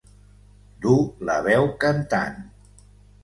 Dur la veu cantant.